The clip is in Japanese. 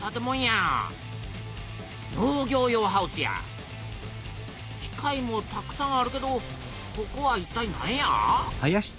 農業用ハウスや機械もたくさんあるけどここはいったいなんや？